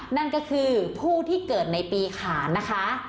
นั่นก็คือผู้ที่เกิดในปีขานนะคะ